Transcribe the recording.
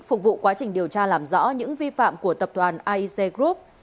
phục vụ quá trình điều tra làm rõ những vi phạm của tập đoàn aic group